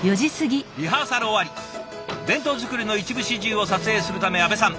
リハーサル終わり弁当作りの一部始終を撮影するため阿部さん